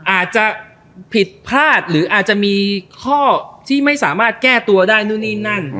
อาจจะผิดพลาดหรืออาจจะมีข้อที่ไม่สามารถแก้ตัวได้นู่นนี่นั่น